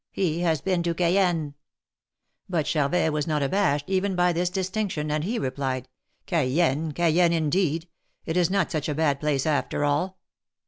He has been to Cayenne." But Charvet was not abashed, even by this distinction, and he replied : Cayenne! Cayenne indeed! It is not such a bad place after all."